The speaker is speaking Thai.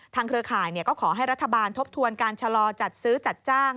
เครือข่ายก็ขอให้รัฐบาลทบทวนการชะลอจัดซื้อจัดจ้าง